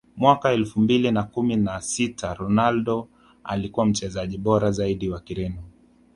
mwaka elfu mbili na kumi na sita Ronaldo alikuwa Mchezaji bora zaidi wa Kireno